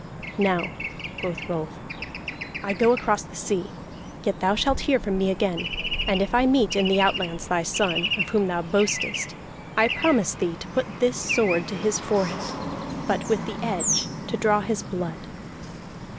"Now," quoth Rolf, "I go across the sea, yet thou shalt hear from me again. And if I meet in the outlands thy son, of whom thou boastest, I promise thee to put this sword to his forehead, but with the edge, and to draw his blood."